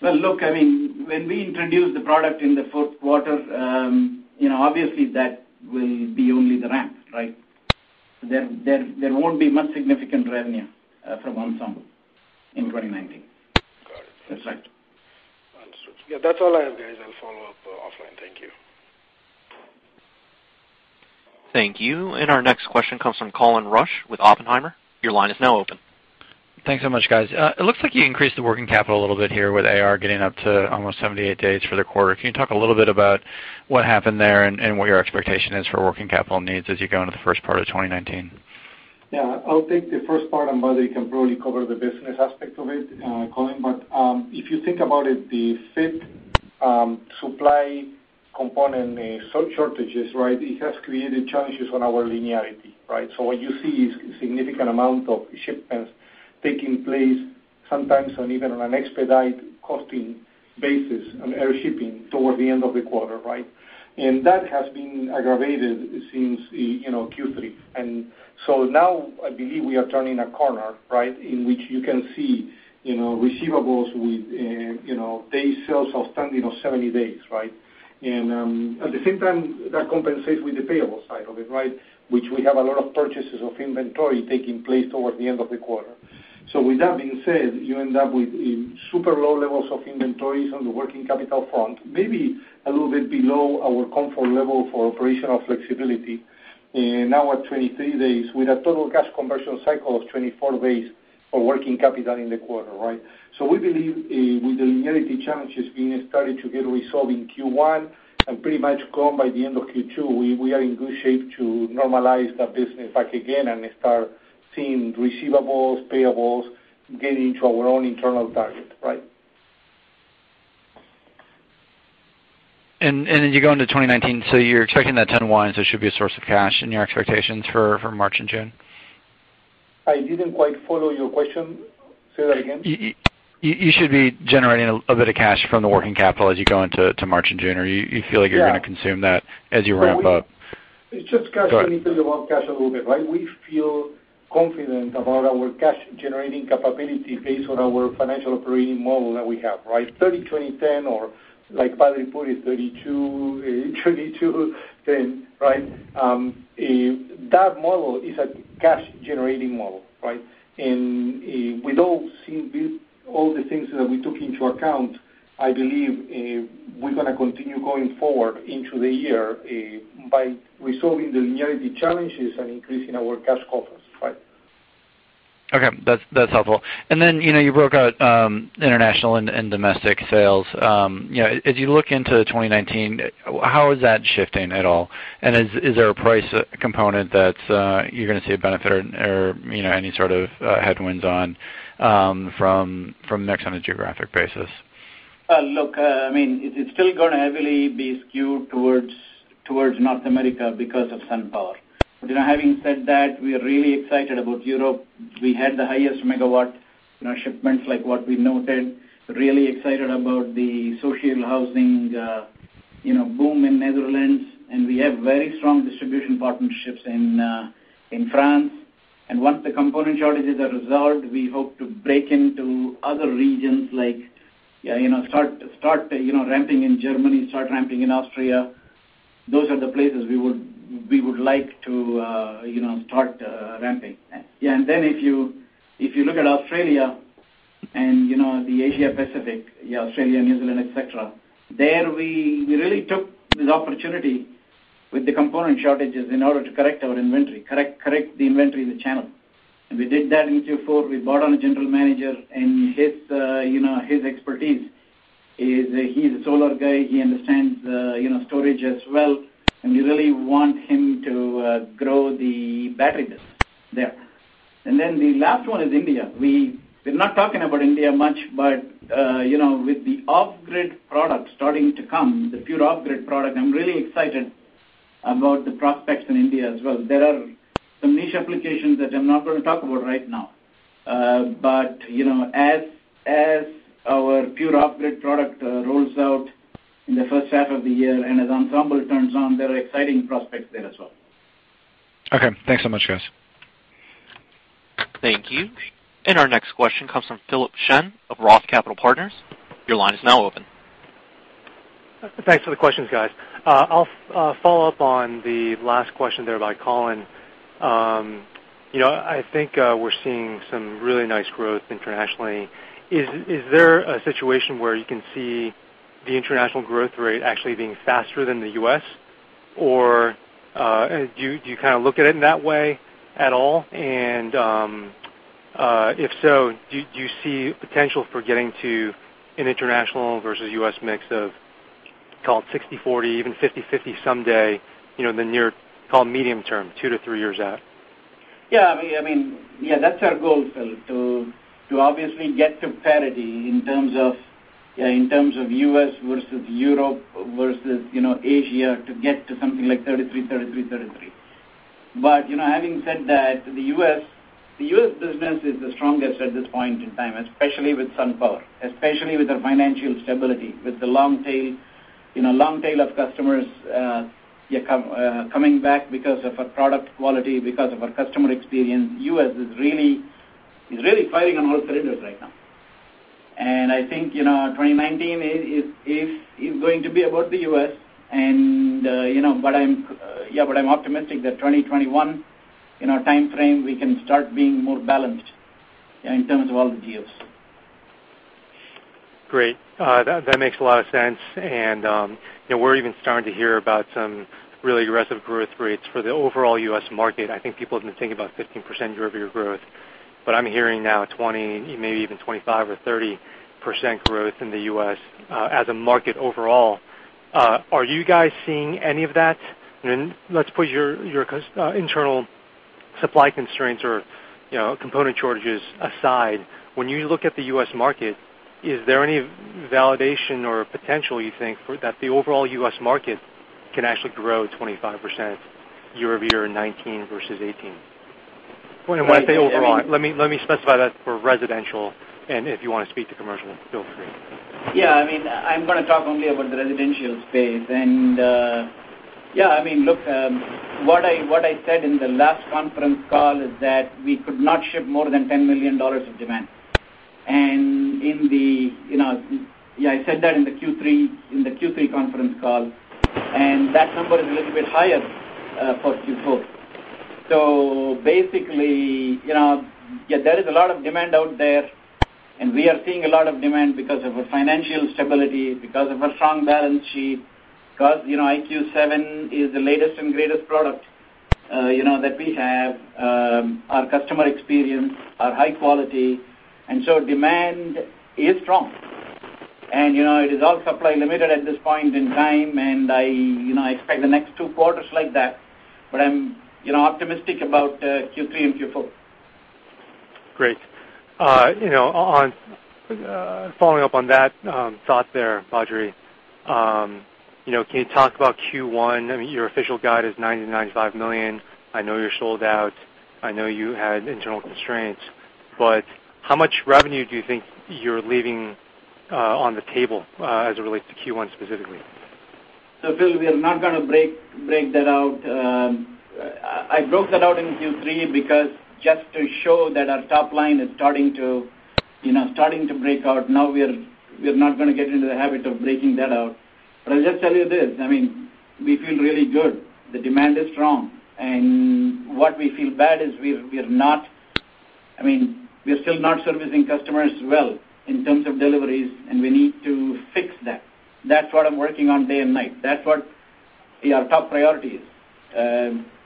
Well, look, when we introduce the product in the fourth quarter, obviously, that will be only the ramp, right? There won't be much significant revenue from Ensemble in 2019. Got it. That's right. Understood. Yeah, that's all I have, guys. I'll follow up offline. Thank you. Thank you. Our next question comes from Colin Rusch with Oppenheimer. Your line is now open. Thanks so much, guys. It looks like you increased the working capital a little bit here with AR getting up to almost 78 days for the quarter. Can you talk a little bit about what happened there and what your expectation is for working capital needs as you go into the first part of 2019? Yeah. I'll take the first part, and Badri can probably cover the business aspect of it, Colin. If you think about it, the FIT supply component, the cell shortages, it has created challenges on our linearity, right? What you see is significant amount of shipments taking place sometimes even on an expedite costing basis on air shipping toward the end of the quarter, right? That has been aggravated since Q3. Now I believe we are turning a corner, in which you can see receivables with day sales outstanding of 70 days, right? At the same time, that compensates with the payable side of it, which we have a lot of purchases of inventory taking place toward the end of the quarter. With that being said, you end up with super low levels of inventories on the working capital front, maybe a little bit below our comfort level for operational flexibility. Now at 23 days, with a total cash conversion cycle of 24 days for working capital in the quarter, right? We believe with the linearity challenges being started to get resolved in Q1 and pretty much gone by the end of Q2, we are in good shape to normalize the business back again and start seeing receivables, payables getting to our own internal target. You go into 2019, so you're checking that 10/20, so it should be a source of cash in your expectations for March and June? I didn't quite follow your question. Say that again. You should be generating a bit of cash from the working capital as you go into March and June. Do you feel like you're going to consume that as you ramp up? Let's just talk a little bit about cash a little bit, right? We feel confident about our cash-generating capability based on our financial operating model that we have, right? 30/20/10, or like Badri reported, 32/10, right? That model is a cash-generating model, right? With all the things that we took into account, I believe we're going to continue going forward into the year by resolving the linearity challenges and increasing our cash coffers, right? Okay. That's helpful. Then you broke out international and domestic sales. As you look into 2019, how is that shifting at all? Is there a price component that you're going to see a benefit or any sort of headwinds on from next on a geographic basis? Look, it's still going to heavily be skewed towards North America because of SunPower. Having said that, we are really excited about Europe. We had the highest megawatt shipments like what we noted. Really excited about the social housing boom in Netherlands. We have very strong distribution partnerships in France. Once the component shortages are resolved, we hope to break into other regions, like start ramping in Germany, start ramping in Austria. Those are the places we would like to start ramping. Yeah. If you look at Australia and the Asia Pacific, Australia, New Zealand, et cetera, there, we really took the opportunity with the component shortages in order to correct our inventory, correct the inventory in the channel. We did that in Q4. We brought on a general manager, and his expertise is he's a solar guy. He understands storage as well. We really want him to grow the battery business there. The last one is India. We're not talking about India much, but with the off-grid product starting to come, the pure off-grid product, I'm really excited about the prospects in India as well. There are some niche applications that I'm not going to talk about right now. As our pure off-grid product rolls out in the first half of the year and as Ensemble turns on, there are exciting prospects there as well. Okay. Thanks so much, guys. Thank you. Our next question comes from Philip Shen of Roth Capital Partners. Your line is now open. Thanks for the questions, guys. I'll follow up on the last question there by Colin. I think we're seeing some really nice growth internationally. Is there a situation where you can see the international growth rate actually being faster than the U.S., or do you look at it in that way at all? If so, do you see potential for getting to an international versus U.S. mix of call it 60/40, even 50/50 someday, in the near, call it medium term, two to three years out? Yeah. That's our goal, Philip Shen, to obviously get to parity in terms of U.S. versus Europe versus Asia, to get to something like 33, 33. Having said that, the U.S. business is the strongest at this point in time, especially with SunPower, especially with their financial stability, with the long tail of customers coming back because of our product quality, because of our customer experience. U.S. is really fighting on all cylinders right now. I think 2019 is going to be about the U.S. I'm optimistic that 2021 timeframe, we can start being more balanced in terms of all the geos. Great. That makes a lot of sense. We're even starting to hear about some really aggressive growth rates for the overall U.S. market. I think people have been thinking about 15% year-over-year growth, I'm hearing now 20, maybe even 25% or 30% growth in the U.S. as a market overall. Are you guys seeing any of that? Let's put your internal supply constraints or component shortages aside. When you look at the U.S. market, is there any validation or potential you think that the overall U.S. market can actually grow 25% year-over-year in 2019 versus 2018? When I say overall, let me specify that for residential, and if you want to speak to commercial, feel free. Yeah. I'm going to talk only about the residential space. Look, what I said in the last conference call is that we could not ship more than $10 million of demand. I said that in the Q3 conference call, that number is a little bit higher for Q4. Basically, there is a lot of demand out there, we are seeing a lot of demand because of our financial stability, because of our strong balance sheet, because IQ7 is the latest and greatest product that we have, our customer experience, our high quality. Demand is strong. It is all supply limited at this point in time, I expect the next two quarters like that, I'm optimistic about Q3 and Q4. Great. Following up on that thought there, Badri, can you talk about Q1? Your official guide is $90 million to $95 million. I know you're sold out. I know you had internal constraints, how much revenue do you think you're leaving on the table as it relates to Q1 specifically? Phil, we are not going to break that out. I broke that out in Q3 because just to show that our top line is starting to break out. We are not going to get into the habit of breaking that out. I'll just tell you this, we feel really good. The demand is strong. What we feel bad is we are still not servicing customers well in terms of deliveries, and we need to fix that. That's what I'm working on day and night. That's what our top priority is.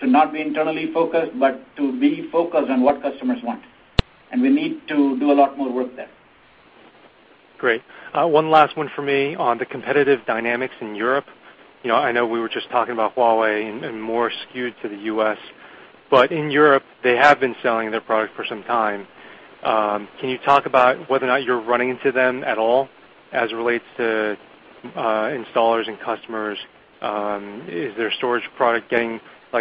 To not be internally focused, but to be focused on what customers want. We need to do a lot more work there. Great. One last one for me on the competitive dynamics in Europe. I know we were just talking about Huawei and more skewed to the U.S., but in Europe, they have been selling their product for some time. Can you talk about whether or not you're running into them at all as it relates to installers and customers?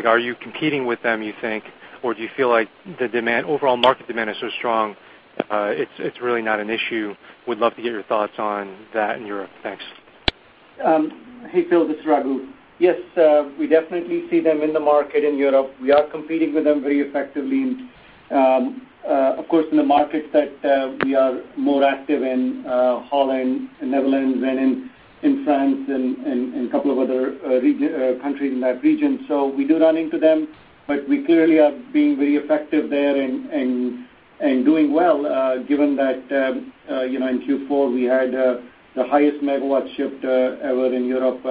Are you competing with them, you think? Or do you feel like the overall market demand is so strong, it's really not an issue? Would love to get your thoughts on that in Europe. Thanks. Hey, Phil, this is Raghu. Yes, we definitely see them in the market in Europe. We are competing with them very effectively. Of course, in the markets that we are more active in Holland, Netherlands, and in France and a couple of other countries in that region. We do run into them, but we clearly are being very effective there and doing well. Given that in Q4, we had the highest megawatt shipped ever in Europe,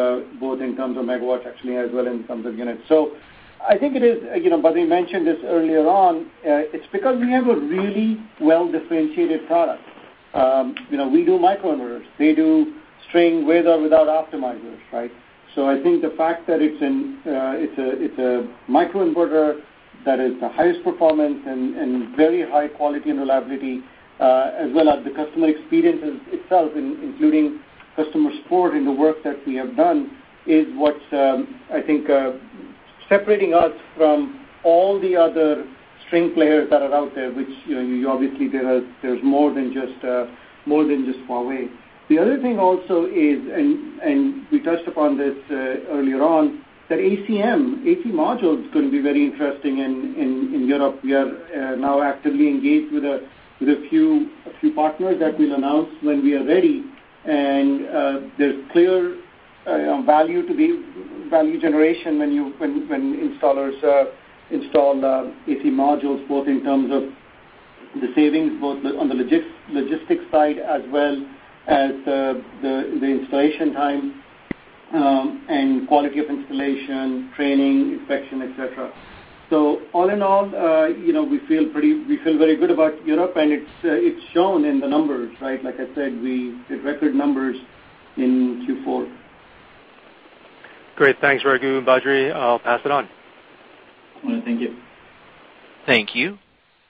both in terms of megawatts, actually, as well in terms of units. I think it is, Badri mentioned this earlier on, it's because we have a really well-differentiated product. We do microinverters. They do string, with or without optimizers. Right? I think the fact that it's a microinverter that is the highest performance and very high quality and reliability, as well as the customer experiences itself, including customer support in the work that we have done, is what I think separating us from all the other string players that are out there, which obviously there's more than just Huawei. The other thing also is, we touched upon this earlier on, that ACM, AC Module, is going to be very interesting in Europe. We are now actively engaged with a few partners that we'll announce when we are ready. There's clear value generation when installers install AC Modules, both in terms of the savings, both on the logistics side as well as the installation time and quality of installation, training, inspection, et cetera. All in all, we feel very good about Europe, and it's shown in the numbers, right? Like I said, we did record numbers in Q4. Great. Thanks, Raghu and Badri. I'll pass it on. Thank you. Thank you.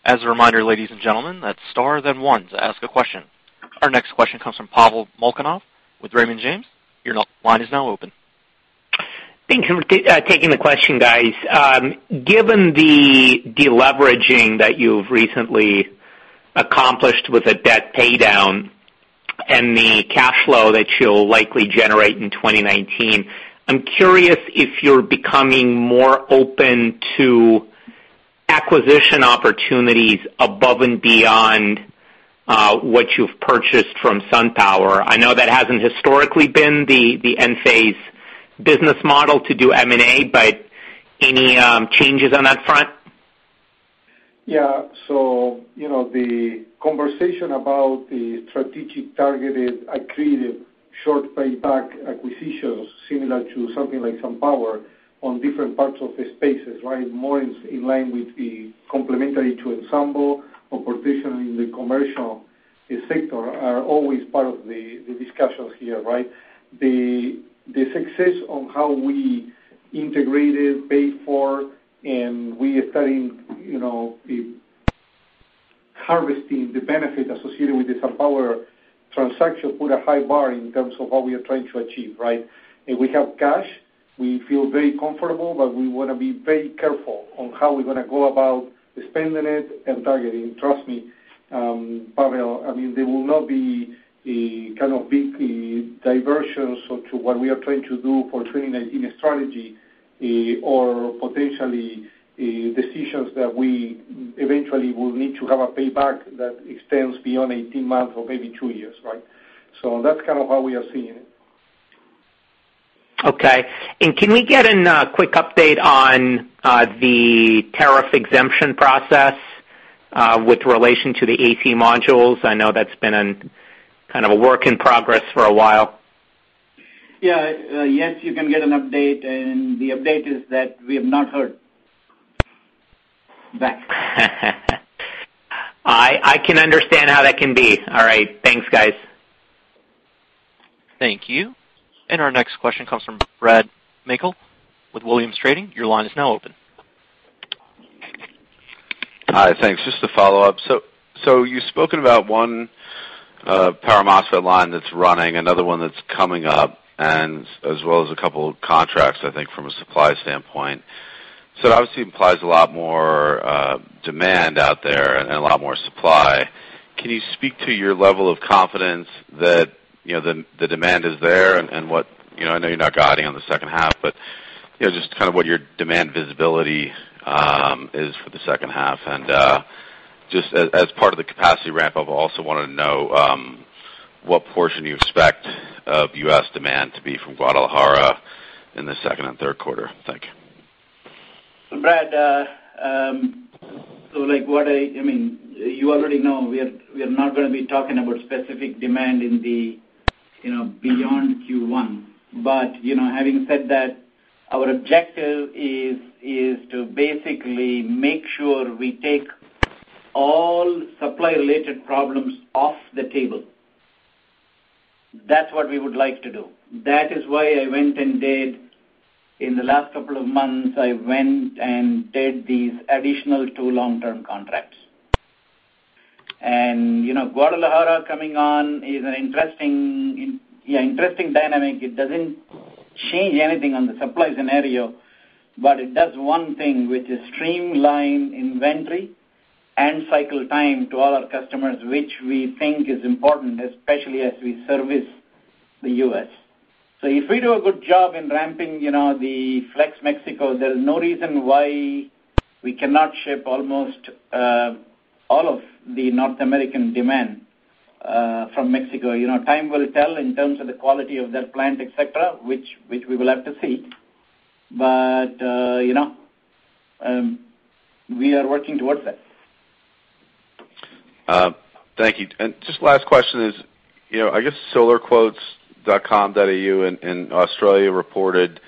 As a reminder, ladies and gentlemen, that's star then one to ask a question. Our next question comes from Pavel Molchanov with Raymond James. Your line is now open. Thank you. Taking the question, guys. Given the deleveraging that you've recently accomplished with the debt paydown and the cash flow that you'll likely generate in 2019, I'm curious if you're becoming more open to acquisition opportunities above and beyond what you've purchased from SunPower. I know that hasn't historically been the Enphase business model to do M&A. Any changes on that front? Yeah. The conversation about the strategic targeted, accretive, short payback acquisitions, similar to something like SunPower on different parts of the spaces, right, more in line with the complementary to Ensemble or potentially in the commercial sector, are always part of the discussions here, right? The success on how we integrated, paid for, and we are studying the harvesting the benefit associated with the SunPower transaction, put a high bar in terms of what we are trying to achieve, right? We have cash. We feel very comfortable, we want to be very careful on how we're going to go about spending it and targeting. Trust me, Pavel, there will not be the kind of big diversions to what we are trying to do for 2019 strategy or potentially decisions that we eventually will need to have a payback that extends beyond 18 months or maybe two years, right? That's kind of how we are seeing it. Okay. Can we get a quick update on the tariff exemption process, with relation to the AC Modules? I know that's been a work in progress for a while. Yeah. Yes, you can get an update, and the update is that we have not heard back. I can understand how that can be. All right. Thanks, guys. Thank you. Our next question comes from Brad Meikle with Williams Trading. Your line is now open. Hi, thanks. Just to follow up. You've spoken about one Power MOSFET line that's running, another one that's coming up, and as well as a couple of contracts, I think, from a supply standpoint. That obviously implies a lot more demand out there and a lot more supply. Can you speak to your level of confidence that the demand is there and I know you're not guiding on the second half, but just kind of what your demand visibility is for the second half. Just as part of the capacity ramp-up, I also want to know what portion you expect of U.S. demand to be from Guadalajara in the second and third quarter. Thank you. Brad, you already know we are not going to be talking about specific demand beyond Q1. Having said that, our objective is to basically make sure we take all supply-related problems off the table. That's what we would like to do. That is why I went and did, in the last couple of months, I went and did these additional two long-term contracts. Guadalajara coming on is an interesting dynamic. It doesn't change anything on the supply scenario. It does one thing, which is streamline inventory and cycle time to all our customers, which we think is important, especially as we service the U.S. If we do a good job in ramping the Flex Mexico, there's no reason why we cannot ship almost all of the North American demand from Mexico. Time will tell in terms of the quality of that plant, et cetera, which we will have to see. We are working towards that. Thank you. Just last question is, I guess solarquotes.com.au in Australia reported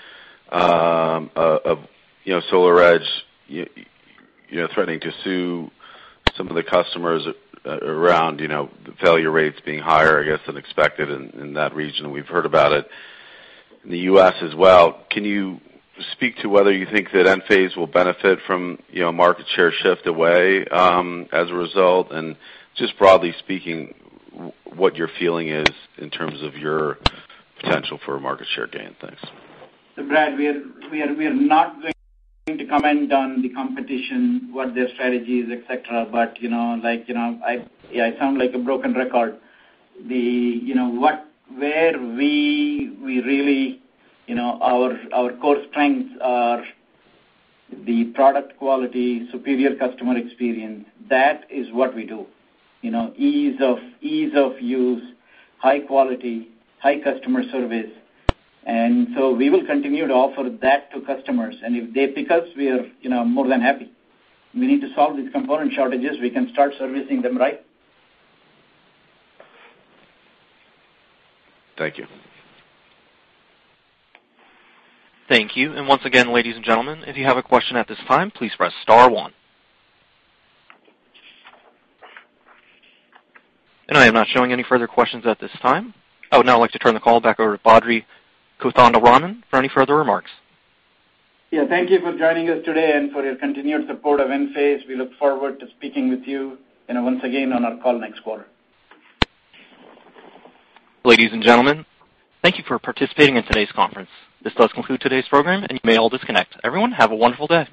SolarEdge threatening to sue some of the customers around failure rates being higher, I guess, than expected in that region. We've heard about it in the U.S. as well. Can you speak to whether you think that Enphase will benefit from market share shift away as a result? Just broadly speaking, what your feeling is in terms of your potential for a market share gain. Thanks. Brad, we are not going to comment on the competition, what their strategy is, et cetera. I sound like a broken record. Our core strengths are the product quality, superior customer experience. That is what we do. Ease of use, high quality, high customer service. We will continue to offer that to customers. If they pick us, we are more than happy. We need to solve these component shortages. We can start servicing them right. Thank you. Thank you. Once again, ladies and gentlemen, if you have a question at this time, please press star one. I am not showing any further questions at this time. I would now like to turn the call back over to Badri Kothandaraman for any further remarks. Thank you for joining us today and for your continued support of Enphase. We look forward to speaking with you, and once again on our call next quarter. Ladies and gentlemen, thank you for participating in today's conference. This does conclude today's program, and you may all disconnect. Everyone, have a wonderful day.